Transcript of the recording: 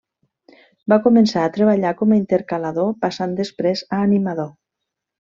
Va començar a treballar com a intercalador passant després a animador.